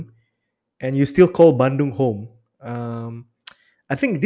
dan anda masih menyebut bandung sebagai rumah